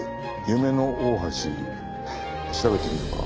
夢の大橋調べてみるか。